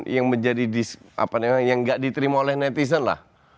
yang menjadi yang gak diterima oleh netizen lah